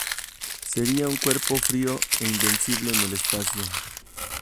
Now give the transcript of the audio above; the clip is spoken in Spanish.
Sería un cuerpo frío e invisible en el espacio.